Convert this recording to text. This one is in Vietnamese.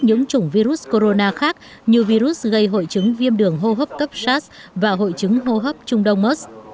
nhiễm chủng virus corona khác như virus gây hội chứng viêm đường hô hấp cấp sars và hội chứng hô hấp trung đông mers